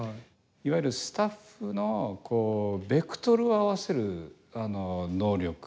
いわゆるスタッフのベクトルを合わせる能力。